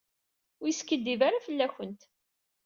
Ur yeskiddib ara fell-akent.